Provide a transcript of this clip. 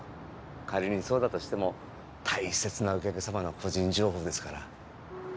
仮にそうだとしても大切なお客様の個人情報ですから。